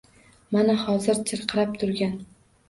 Mana, hozir chirqirab turgan